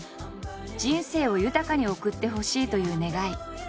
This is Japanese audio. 人生を豊かに送ってほしいという願い。